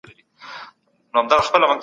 بېلابېل کلتورونه د ناروغۍ تجربه توپیر لري.